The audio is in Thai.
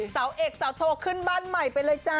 สาวเอกสาวโทขึ้นบ้านใหม่ไปเลยจ้า